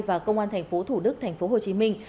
và công an thành phố thủ đức thành phố hồ chí minh